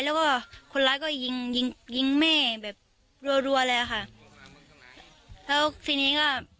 แล้วคนร้ายก็ยิงเม่แบบรัวเลยแล้วทีนี้ก็